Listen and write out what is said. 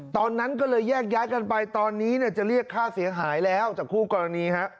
ตอนนั้นก็เลยแยกย้ายกันไปตอนนี้จะเรียกค่าเสียหายแล้วจากคู่กรณีฮะ